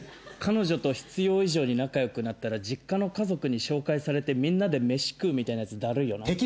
彼女と必要以上に仲良くなったら実家の家族に紹介されてみんなで飯食うみたいなやつだるいよな。